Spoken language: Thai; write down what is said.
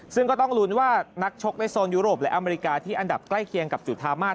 ซึ่งก็ต้องลุ้นว่านักชกในโซนยุโรปและอเมริกาที่อันดับใกล้เคียงกับจุธามาส